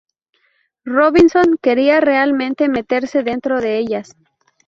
Robinson quería realmente meterse dentro de ellas.